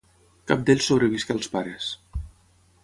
Cap d'ells sobrevisqué als pares.